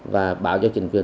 và báo cho chính quyền